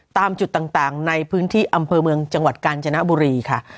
ตามจุดต่างในพื้นที่อำเภอเมืองจังหวัดกาญจนบุรีค่ะ